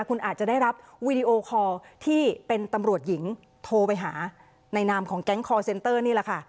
คุณอาจจะได้รับวีดีโอคอร์ที่เป็นตำรวจหญิงโทรไปหาในนามของแก๊งคอร์เซ็นเตอร์นี่แหละค่ะ